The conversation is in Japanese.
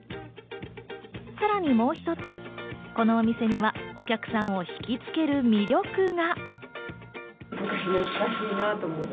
さらにもう一つ、このお店にはお客さんを引きつける魅力が。